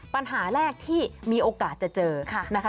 ปัญหาแรกที่มีโอกาสจะเจอนะคะ